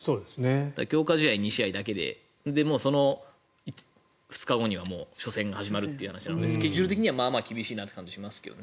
強化試合２試合だけでその２日後には初戦が始まるということでスケジュール的にはまあまあ厳しいなという感じがしますけどね。